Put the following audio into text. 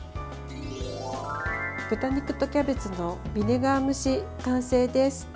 豚肉とキャベツのビネガー蒸し完成です！